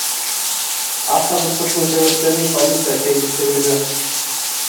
Автокырсыктын себептерин полиция териштирүүдө.